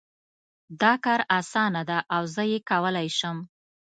دا کار اسانه ده او زه یې کولای شم